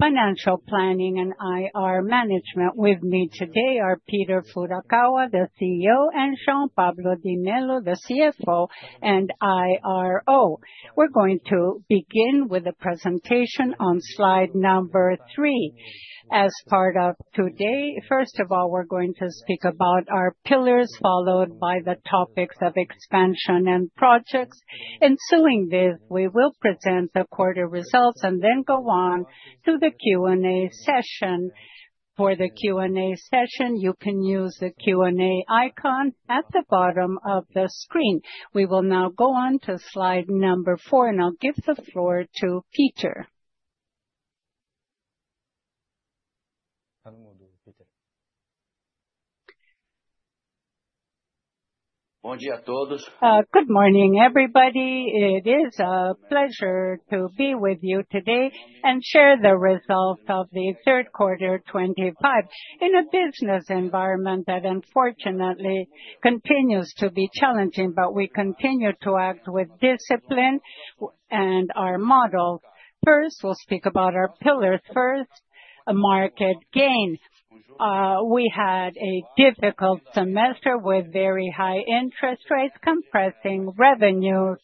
Financial planning and IR management. With me today are Peter Furukawa, the CEO, and Jean Pablo De Mello, the CFO and IRO. We're going to begin with a presentation on slide number three. As part of today, first of all, we're going to speak about our pillars, followed by the topics of expansion and, projects. In doing this, we will present the quarter results and then go on to the Q&A session. For the Q&A session, you can use the Q&A icon at the bottom of the screen. We will now go on to slide number four, and I'll give the floor to Peter. Bom dia a todos. Good morning everybody. It is a pleasure to be with you today and share the results of the the Q-3 2025 in a business environment that unfortunately continues to be challenging, but we continue to act with discipline and our model. First, we'll speak about our pillars. First, market gains. We had a difficult semester with very high interest rates compressing revenues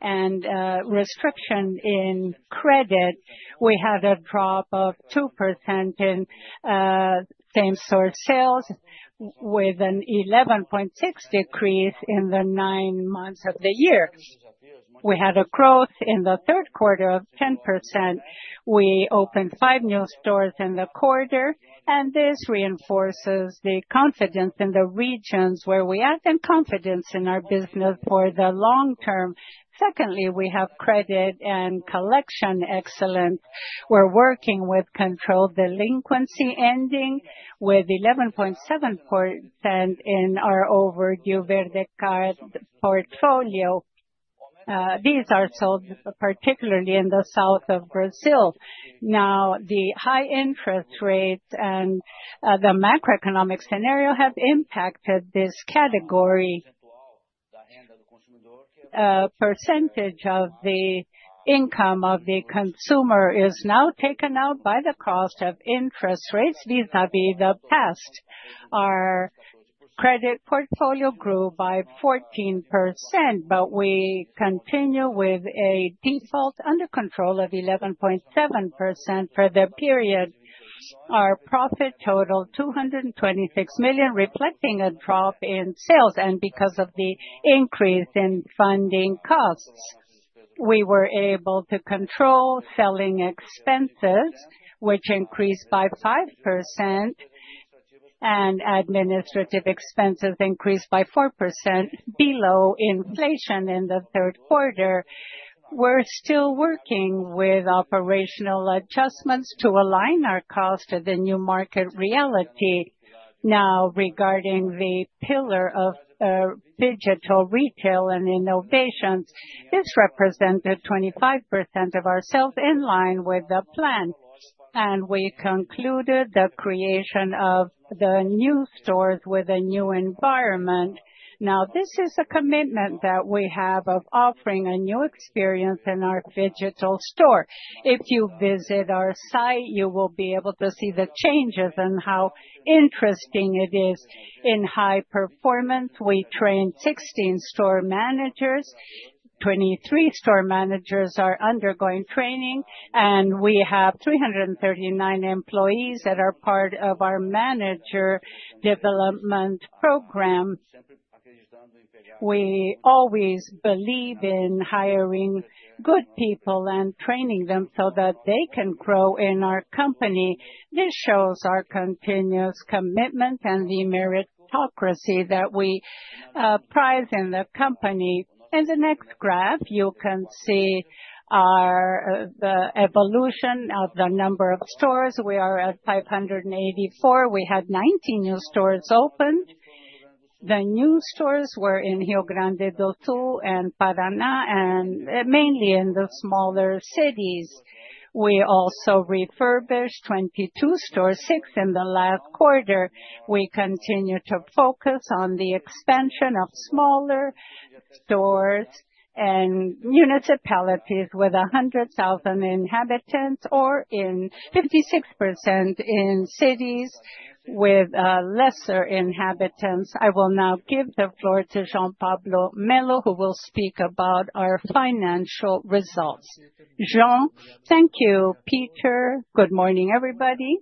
and restrictions in credit. We had a drop of 2% in same-store sales with an 11.6% decrease in the nine months of the year. We had a growth in the Q-3 of 10%. We opened five new stores in the quarter, and this reinforces the confidence in the regions where we have been confident in our business for the long term. Secondly, we have credit and collection excellence. We're working with controlled delinquency ending with 11.7% in our overdue credit card portfolio. These are sold particularly in the south of Brazil. Now, the high interest rate and the macroeconomic scenario have impacted this category. The percentage of the income of the consumer is now taken out by the cost of interest rates vis-à-vis the past. Our credit portfolio grew by 14%, but we continue with a default under control of 11.7% for the period. Our profit totaled 226 million BRL, reflecting a drop in sales, and because of the increase in funding costs, we were able to control selling expenses, which increased by 5%, and administrative expenses increased by 4% below inflation in the Q-3. We're still working with operational adjustments to align our costs to the new market reality. Now, regarding the pillar of digital retail and innovations, this represented 25% of our sales in line with the plan. We concluded the creation of the new stores with a new environment. Now, this is a commitment that we have of offering a new experience in our digital store. If you visit our site, you will be able to see the changes and how interesting it is in high performance. We trained 16 store managers. 23 store managers are undergoing training, and we have 339 employees that are part of our manager development program. We always believe in hiring good people and training them so that they can grow in our company. This shows our continuous commitment and the meritocracy that we prize in the company. In the next graph, you can see the evolution of the number of stores. We are at 584. We had 19 new stores opened. The new stores were in Rio Grande do Sul and Paraná, and mainly in the smaller cities. We also refurbished 22 stores, six in the last quarter. We continue to focus on the expansion of smaller stores and municipalities with 100,000 inhabitants or in 56% in cities with lesser inhabitants. I will now give the floor to Jean Pablo De Mello, who will speak about our financial results. Jean, Thank you, Peter. Good morning, everybody.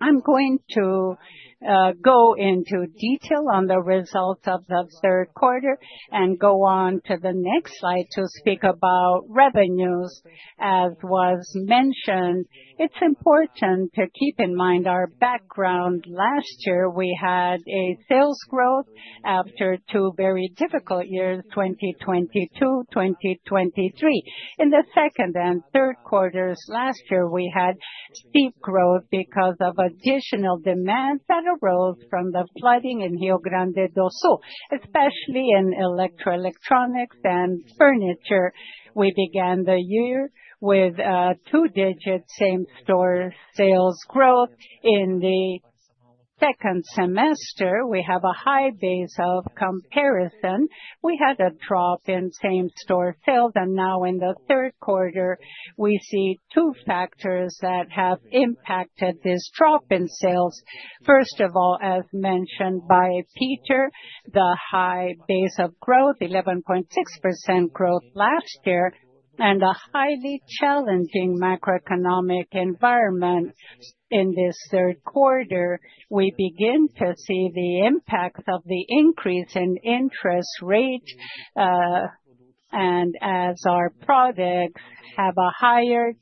I'm going to go into detail on the results of the Q-3 and go on to the next slide to speak about revenues. As was mentioned, it's important to keep in mind our background. Last year, we had a sales growth after two very difficult years, 2022, 2023. In the second and third quarters last year, we had steep growth because of additional demand that arose from the flooding in Rio Grande do Sul, especially in electronics and furniture. We began the year with two-digit same-store sales growth. In the second semester, we have a high base of comparison. We had a drop in same-store sales, and now in the third quarter, we see two factors that have impacted this drop in sales. First of all, as mentioned by Peter, the high base of growth, 11.6% growth last year, and a highly challenging macroeconomic environment. In this third quarter, we begin to see the impact of the increase in interest rates, and as our products have a higher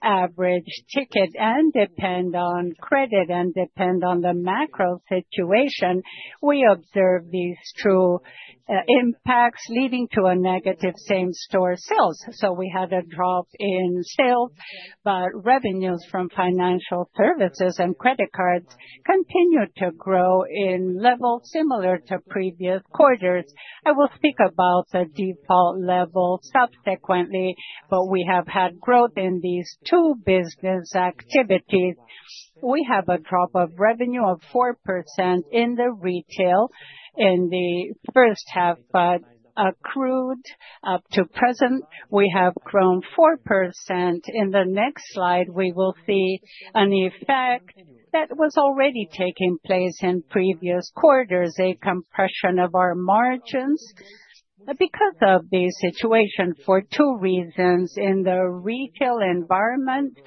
average ticket and depend on credit and depend on the macro situation. We observe these two impacts leading to a negative same-store sales, so we had a drop in sales, but revenues from financial services and credit cards continued to grow in levels similar to previous quarters. I will speak about the default level subsequently, but we have had growth in these two business activities. We have a drop of revenue of 4% in the retail in the first half, but accrued up to present, we have grown 4%. In the next slide, we will see an effect that was already taking place in previous quarters, a compression of our margins because of the situation for two reasons. In the retail environment,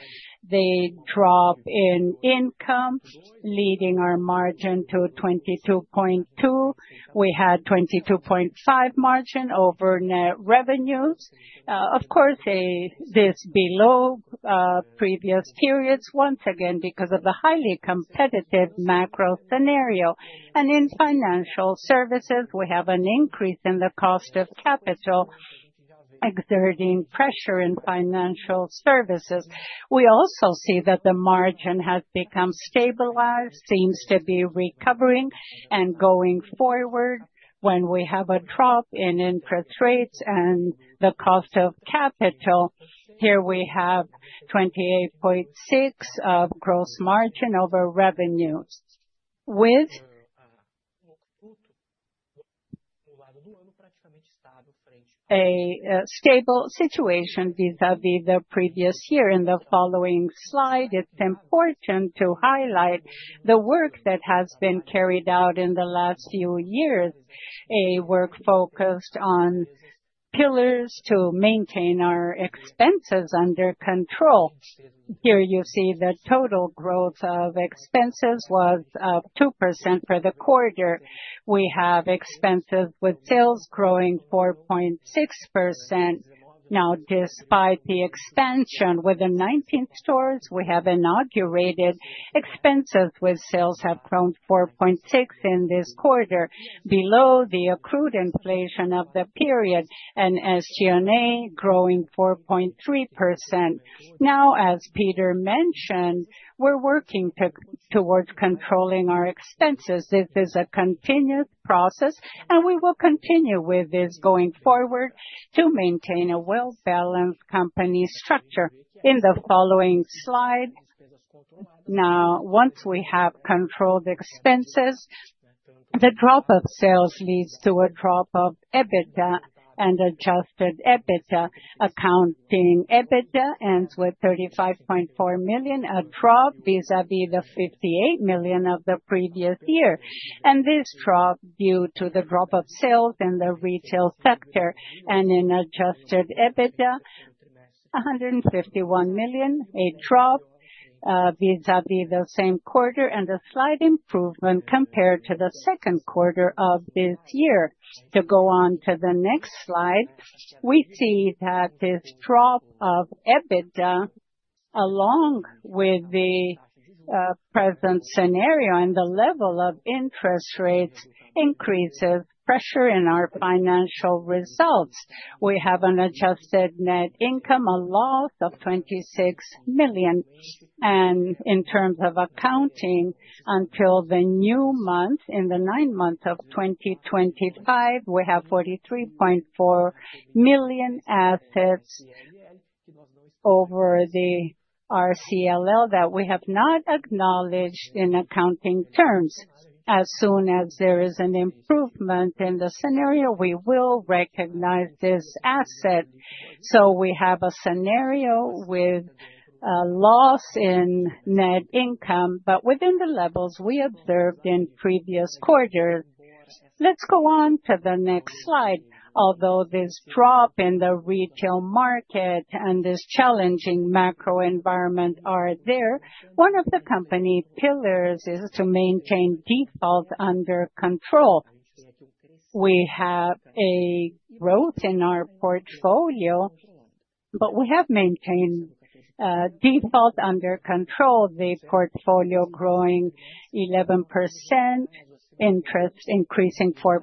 the drop in income leading our margin to 22.2%. We had a 22.5% margin over net revenues. Of course, this is below previous periods once again because of the highly competitive macro scenario. In financial services, we have an increase in the cost of capital exerting pressure in financial services. We also see that the margin has become stabilized, seems to be recovering, and going forward when we have a drop in interest rates and the cost of capital. Here we have 28.6% of gross margin over revenues. With a stable situation vis-à-vis the previous year. In the following slide, it's important to highlight the work that has been carried out in the last few years, a work focused on pillars to maintain our expenses under control. Here you see the total growth of expenses was up 2% for the quarter. We have expenses with sales growing 4.6%. Now, despite the expansion with the 19 stores we have inaugurated, expenses with sales have grown 4.6% in this quarter, below the accrued inflation of the period, and SG&A growing 4.3%. Now, as Peter mentioned, we're working towards controlling our expenses. This is a continuous process, and we will continue with this going forward to maintain a well-balanced company structure. In the following slide, now, once we have controlled expenses, the drop of sales leads to a drop of EBITDA and adjusted EBITDA. Accounting EBITDA ends with 35.4 million, a drop vis-à-vis the 58 million of the previous year. And this drop is due to the drop of sales in the retail sector and in adjusted EBITDA, 151 million, a drop vis-à-vis the same quarter and a slight improvement compared to the Q-2 of this year. To go on to the next slide, we see that this drop of EBITDA, along with the present scenario and the level of interest rates increases pressure in our financial results. We have an adjusted net income, a loss of 26 million. And in terms of accounting, until the new month, in the nine months of 2025, we have 43.4 million assets over the CSLL that we have not acknowledged in accounting terms. As soon as there is an improvement in the scenario, we will recognize this asset. So we have a scenario with a loss in net income, but within the levels we observed in previous quarters. Let's go on to the next slide. Although this drop in the retail market and this challenging macro environment are there, one of the company pillars is to maintain default under control. We have a growth in our portfolio, but we have maintained default under control, the portfolio growing 11%, interest increasing 4%,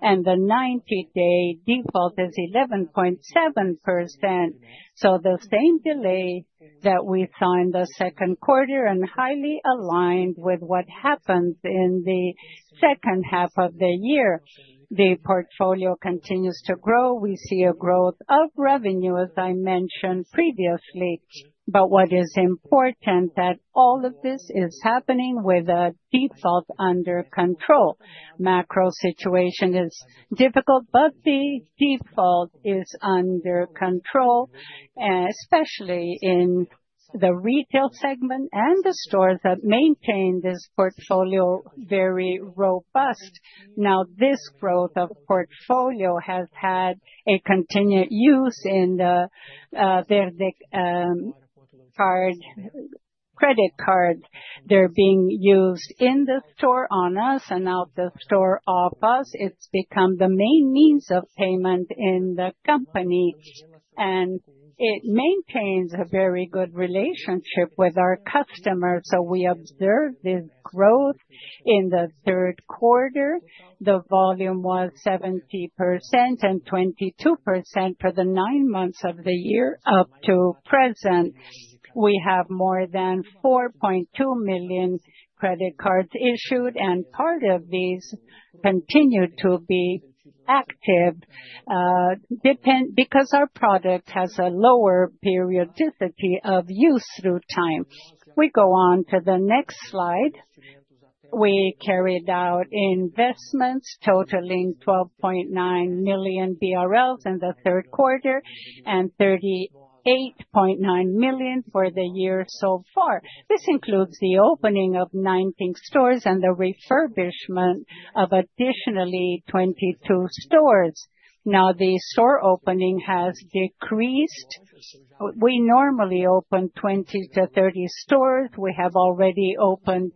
and the 90-day default is 11.7%. So the same delay that we saw in the Q-2 and highly aligned with what happened in the second half of the year. The portfolio continues to grow. We see a growth of revenue, as I mentioned previously. But what is important is that all of this is happening with a default under control. Macro situation is difficult, but the default is under control, especially in the retail segment and the stores that maintain this portfolio very robust. Now, this growth of portfolio has had a continued use in the credit cards. They're being used in the store on-us and out of the store off=us. It's become the main means of payment in the company, and it maintains a very good relationship with our customers. So we observe this growth in the Q-3. The volume was 70% and 22% for the nine months of the year up to present. We have more than 4.2 million credit cards issued, and part of these continue to be active because our product has a lower periodicity of use through time. We go on to the next slide. We carried out investments totaling 12.9 million BRL in the third quarter and 38.9 million for the year so far. This includes the opening of 19 stores and the refurbishment of additionally 22 stores. Now, the store opening has decreased. We normally open 20 to 30 stores. We have already opened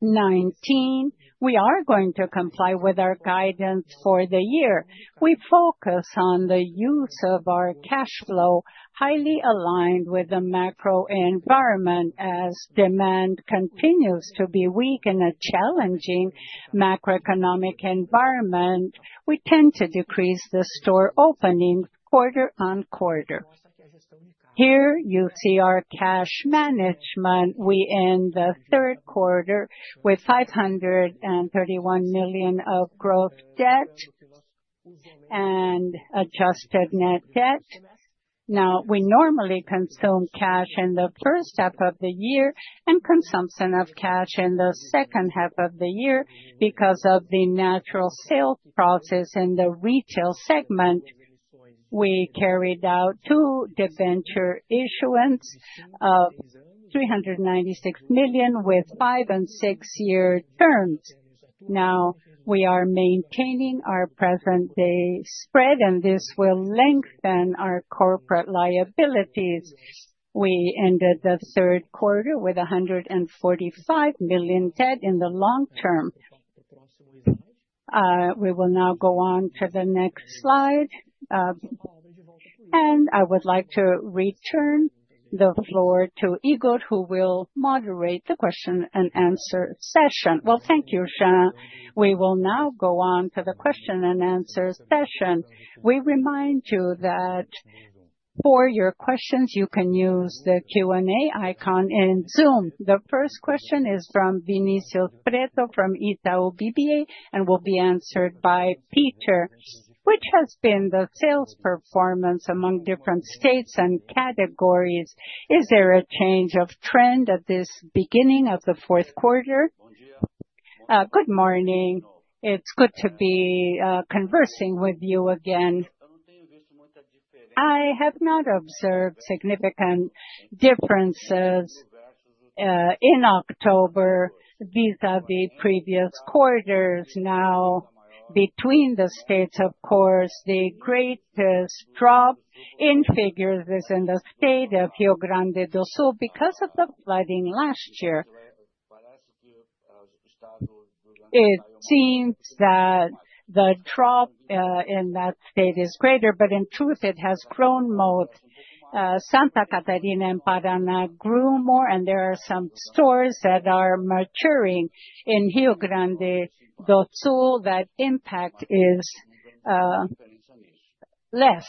19. We are going to comply with our guidance for the year. We focus on the use of our cash flow, highly aligned with the macro environment. As demand continues to be weak in a challenging macroeconomic environment, we tend to decrease the store opening quarter on quarter. Here you see our cash management. We end the third quarter with 531 million of gross debt and adjusted net debt. Now, we normally consume cash in the first half of the year and consumption of cash in the second half of the year because of the natural sales process in the retail segment. We carried out two debenture issuance of 396 million with five and six-year terms. Now, we are maintaining our present-day spread, and this will lengthen our corporate liabilities. We ended the third quarter with 145 million debt in the long term. We will now go on to the next slide. I would like to return the floor to Igor, who will moderate the question and answer session. Thank you, Jean. We will now go on to the question and answer session. We remind you that for your questions, you can use the Q&A icon in Zoom. The first question is from Vinicius Preto from Itaú BBA and will be answered by Peter. Which has been the sales performance among different states and categories? Is there a change of trend at this beginning of the Q-4? Good morning. It's good to be conversing with you again. I have not observed significant differences in October vis-à-vis previous quarters. Now, between the states, of course, the greatest drop in figures is in the state of Rio Grande do Sul because of the flooding last year. It seems that the drop in that state is greater, but in truth, it has grown most. Santa Catarina and Paraná grew more, and there are some stores that are maturing in Rio Grande do Sul that impact is less.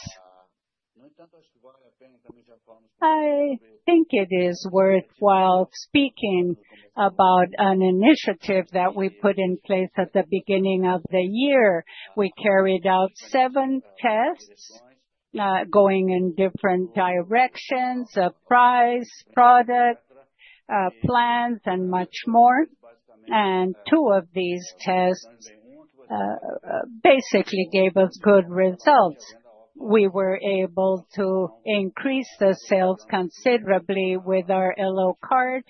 I think it is worthwhile speaking about an initiative that we put in place at the beginning of the year. We carried out seven tests going in different directions: price, product, plans, and much more. Two of these tests basically gave us good results. We were able to increase the sales considerably with our Elo card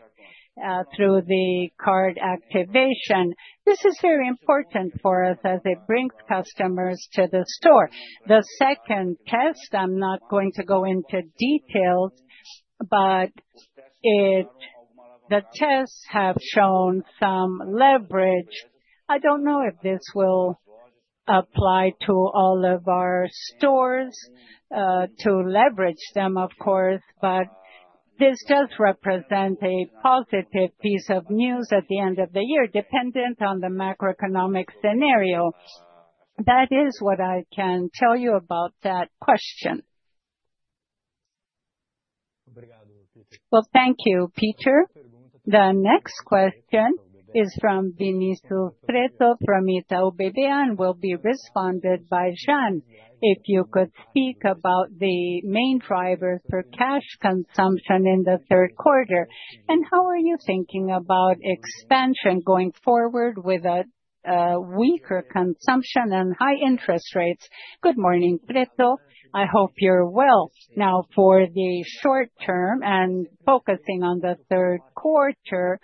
through the card activation. This is very important for us as it brings customers to the store. The second test, I'm not going to go into details, but the tests have shown some leverage. I don't know if this will apply to all of our stores to leverage them, of course, but this does represent a positive piece of news at the end of the year, dependent on the macroeconomic scenario. That is what I can tell you about that question. Thank you, Peter. The next question is from Vinicius Preto from Itaú BBA and will be responded by Jean. If you could speak about the main drivers for cash consumption in the third quarter and how are you thinking about expansion going forward with a weaker consumption and high interest rates? Good morning, Preto. I hope you're well. Now, for the short term and focusing on the third quarter,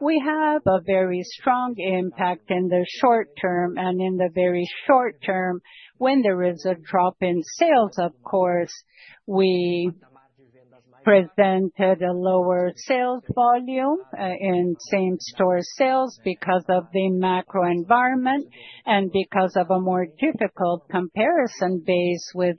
we have a very strong impact in the short term and in the very short term when there is a drop in sales, of course. We presented a lower sales volume in same-store sales because of the macro environment and because of a more difficult comparison basis with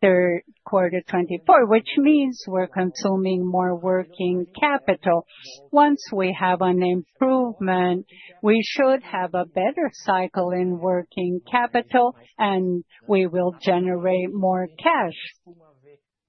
third quarter 2024, which means we're consuming more working capital. Once we have an improvement, we should have a better cycle in working capital, and we will generate more cash.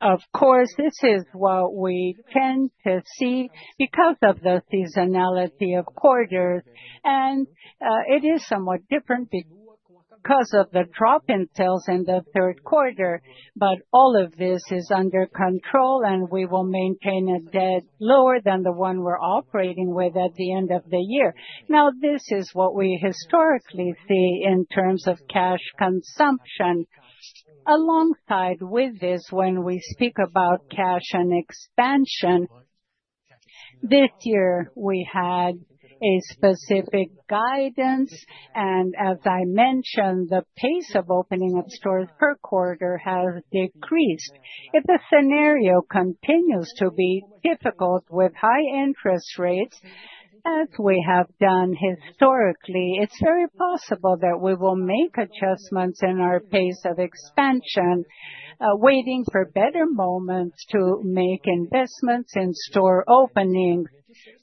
Of course, this is what we tend to see because of the seasonality of quarters. It is somewhat different because of the drop in sales in the Q-3, but all of this is under control, and we will maintain a debt lower than the one we're operating with at the end of the year. Now, this is what we historically see in terms of cash consumption. Alongside with this, when we speak about cash and expansion, this year we had a specific guidance, and as I mentioned, the pace of opening of stores per quarter has decreased. If the scenario continues to be difficult with high interest rates, as we have done historically, it's very possible that we will make adjustments in our pace of expansion, waiting for better moments to make investments in store opening.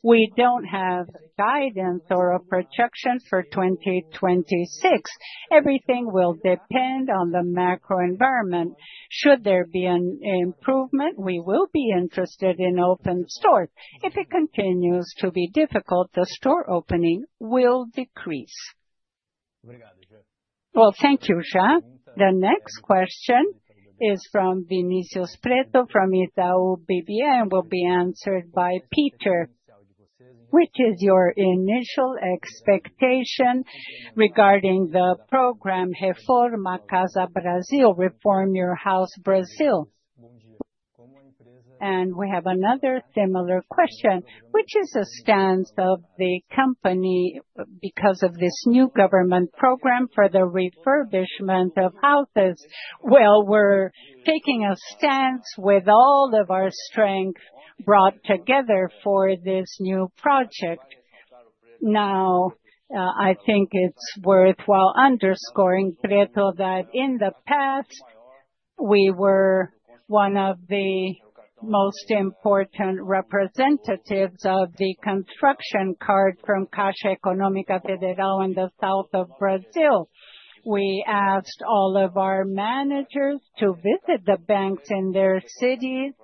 We don't have guidance or a projection for 2026. Everything will depend on the macro environment. Should there be an improvement, we will be interested in open stores. If it continues to be difficult, the store opening will decrease. Well, thank you, Jean. The next question is from Vinicius Preto from Itaú BBA and will be answered by Peter. Which is your initial expectation regarding the program Reforma Casa Brasil, Reform Your House Brazil? And we have another similar question. Which is the stance of the company because of this new government program for the refurbishment of houses? Well, we're taking a stance with all of our strengths brought together for this new project. Now, I think it's worthwhile underscoring, Preto, that in the past, we were one of the most important representatives of the construction card from Caixa Econômica Federal in the south of Brazil. We asked all of our managers to visit the banks in their cities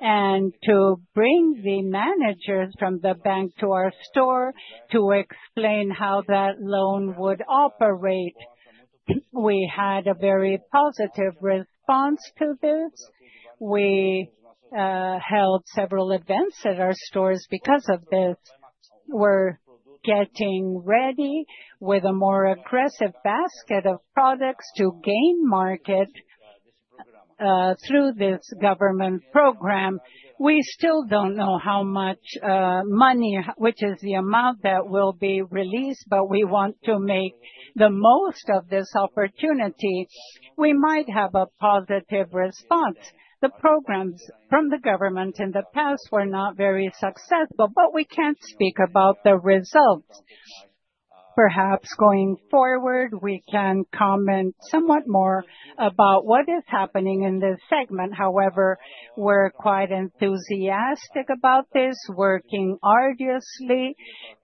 and to bring the managers from the bank to our store to explain how that loan would operate. We had a very positive response to this. We held several events at our stores because of this. We're getting ready with a more aggressive basket of products to gain market through this government program. We still don't know how much money, which is the amount that will be released, but we want to make the most of this opportunity. We might have a positive response. The programs from the government in the past were not very successful, but we can't speak about the results. Perhaps going forward, we can comment somewhat more about what is happening in this segment. However, we're quite enthusiastic about this, working arduously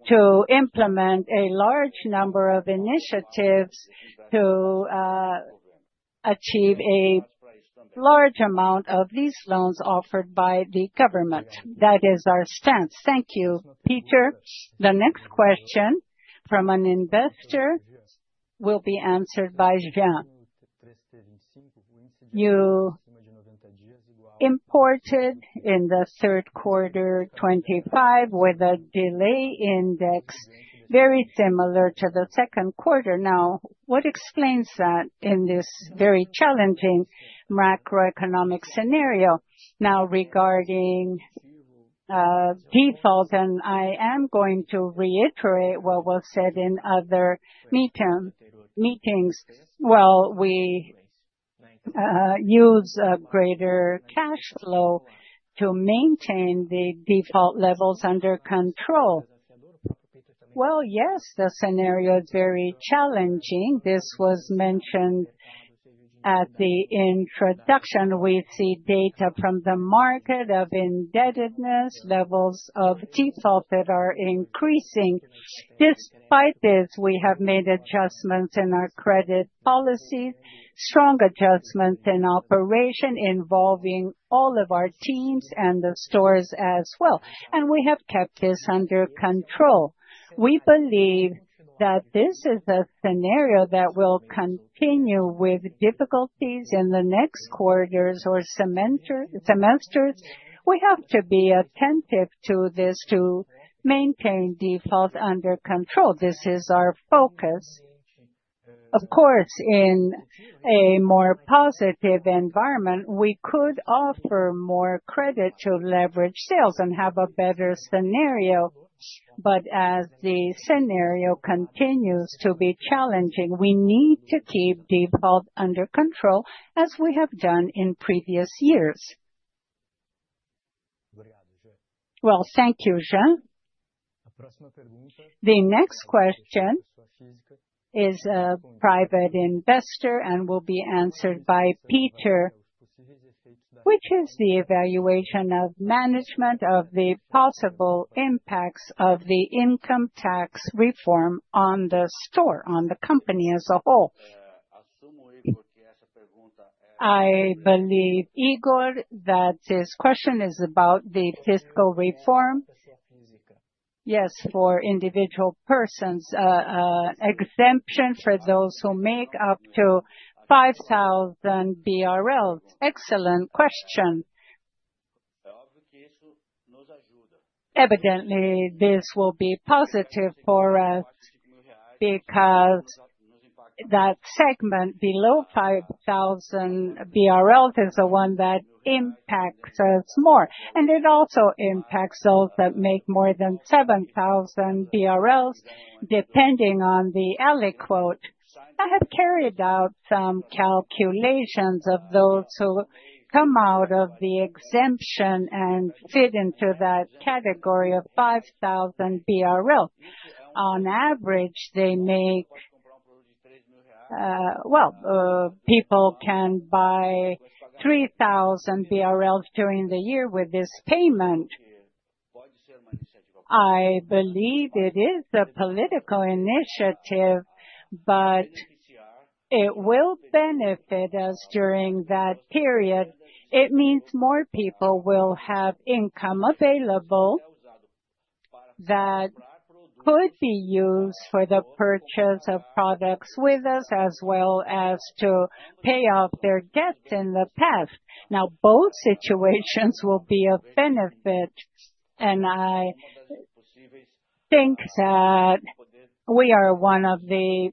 to implement a large number of initiatives to achieve a large amount of these loans offered by the government. That is our stance. Thank you, Peter. The next question from an investor will be answered by Jean. You reported in the Q-3 2025 with a delinquency index very similar to the second quarter. Now, what explains that in this very challenging macroeconomic scenario? Now, regarding default, and I am going to reiterate what was said in other meetings. Well, we use a greater cash flow to maintain the default levels under control. Well, yes, the scenario is very challenging. This was mentioned at the introduction. We see data from the market of indebtedness, levels of default that are increasing. Despite this, we have made adjustments in our credit policy, strong adjustments in operation involving all of our teams and the stores as well. We have kept this under control. We believe that this is a scenario that will continue with difficulties in the next quarters or semesters. We have to be attentive to this to maintain default under control. This is our focus. Of course, in a more positive environment, we could offer more credit to leverage sales and have a better scenario. As the scenario continues to be challenging, we need to keep default under control as we have done in previous years. Thank you, Jean. The next question is a private investor and will be answered by Peter. Which is the evaluation of management of the possible impacts of the income tax reform on the store, on the company as a whole? I believe, Igor, that this question is about the fiscal reform. Yes, for individual persons, exemption for those who make up to 5,000 BRL. Excellent question. Evidently, this will be positive for us because that segment below 5,000 BRL is the one that impacts us more, and it also impacts those that make more than 7,000 BRL, depending on the early quote. I have carried out some calculations of those who come out of the exemption and fit into that category of 5,000 BRL. On average, they make, well, people can buy 3,000 BRL during the year with this payment. I believe it is a political initiative, but it will benefit us during that period. It means more people will have income available that could be used for the purchase of products with us as well as to pay off their debts in the past. Now, both situations will be of benefit, and I think that we are one of the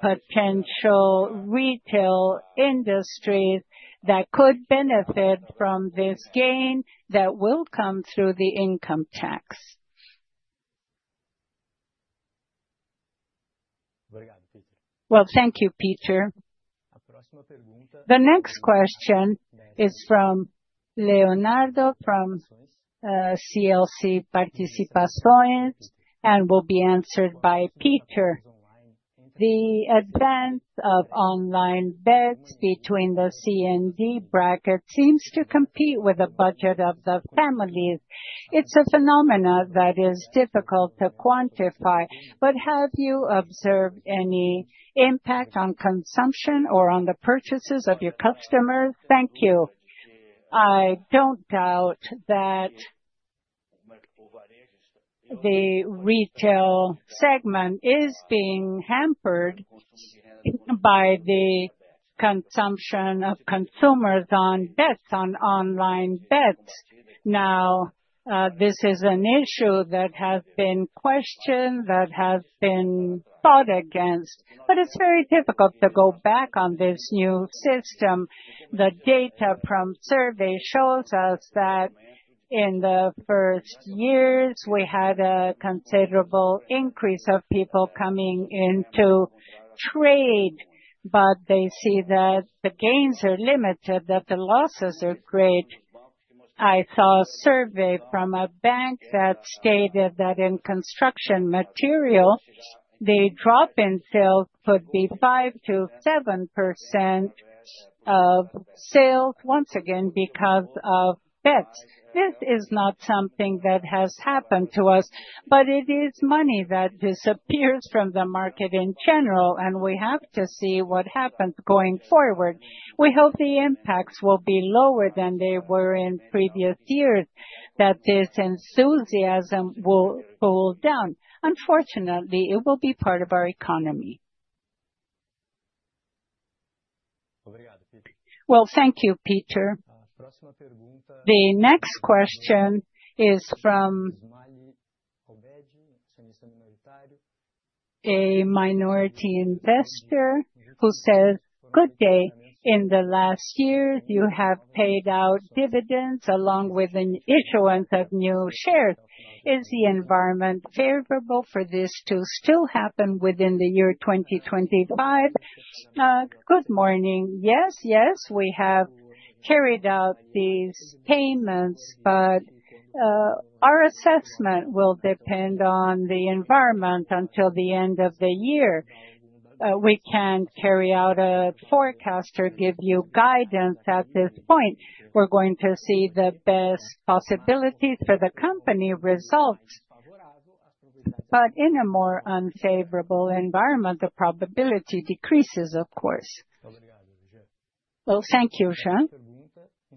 potential retail industries that could benefit from this gain that will come through the income tax. Well, thank you, Peter. The next question is from Leonardo from SLC Participações, and will be answered by Peter. The advance of online bets between the C and D bracket seems to compete with the budget of the families. It's a phenomenon that is difficult to quantify, but have you observed any impact on consumption or on the purchases of your customers? Thank you. I don't doubt that the retail segment is being hampered by the consumption of consumers on bets, on online bets. Now, this is an issue that has been questioned, that has been fought against, but it's very difficult to go back on this new system. The data from surveys shows us that in the first years, we had a considerable increase of people coming into trade, but they see that the gains are limited, that the losses are great. I saw a survey from a bank that stated that in construction material, the drop in sales could be five%-seven% of sales, once again, because of bets. This is not something that has happened to us, but it is money that disappears from the market in general, and we have to see what happens going forward. We hope the impacts will be lower than they were in previous years, that this enthusiasm will cool down. Unfortunately, it will be part of our economy. Thank you, Peter. The next question is from a minority investor who says, Good day. In the last years, you have paid out dividends along with an issuance of new shares. Is the environment favorable for this to still happen within the year 2025? Good morning. Yes, yes, we have carried out these payments, but our assessment will depend on the environment until the end of the year. We can't carry out a forecast or give you guidance at this point. We're going to see the best possibilities for the company results. But in a more unfavorable environment, the probability decreases, of course. Thank you, Jean.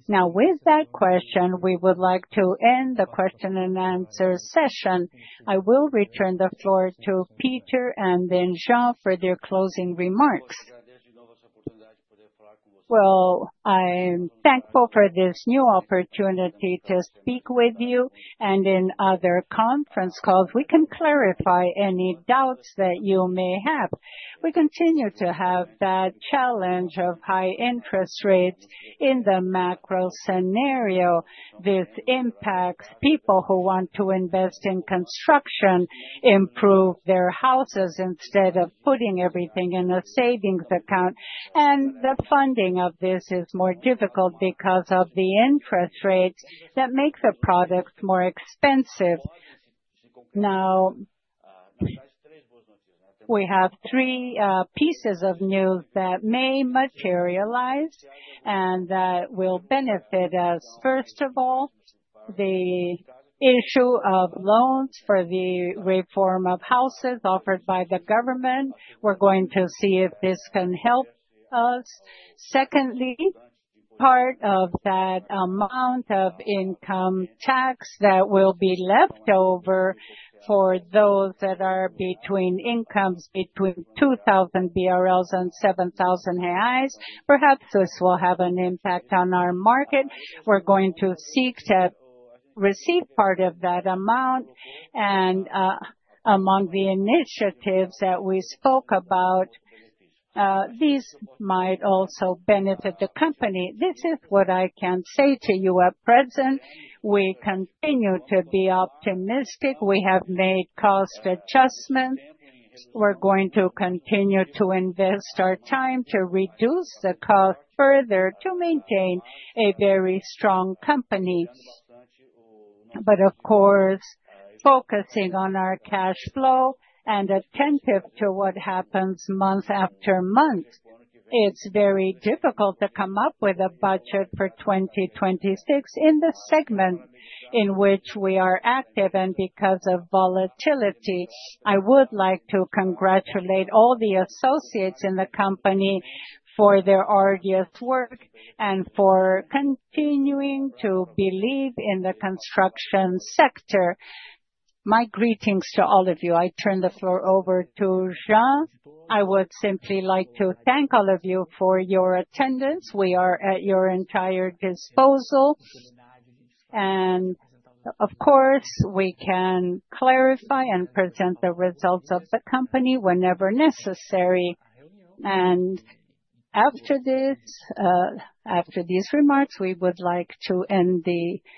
Now, with that question, we would like to end the question and answer session. I will return the floor to Peter and then Jean for their closing remarks. I'm thankful for this new opportunity to speak with you, and in other conference calls, we can clarify any doubts that you may have. We continue to have that challenge of high interest rates in the macro scenario. This impacts people who want to invest in construction, improve their houses instead of putting everything in a savings account. And the funding of this is more difficult because of the interest rates that make the products more expensive. Now, we have three pieces of news that may materialize and that will benefit us. First of all, the issue of loans for the reform of houses offered by the government. We're going to see if this can help us. Secondly, part of that amount of income tax that will be left over for those that are between incomes between 2,000 BRL and 7,000 reais, perhaps this will have an impact on our market. We're going to seek to receive part of that amount. Among the initiatives that we spoke about, these might also benefit the company. This is what I can say to you at present. We continue to be optimistic. We have made cost adjustments. We're going to continue to invest our time to reduce the cost further to maintain a very strong company. Of course, focusing on our cash flow and attentive to what happens month after month, it's very difficult to come up with a budget for 2026 in the segment in which we are active and because of volatility. I would like to congratulate all the associates in the company for their arduous work and for continuing to believe in the construction sector. My greetings to all of you. I turn the floor over to Jean. I would simply like to thank all of you for your attendance. We are at your entire disposal. And of course, we can clarify and present the results of the company whenever necessary. And after these remarks, we would like to end the.